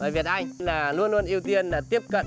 thầy việt anh là luôn luôn ưu tiên là tiếp cận